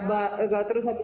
gak terus terus ya baru